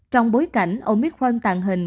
trong bối cảnh omicron tàn hình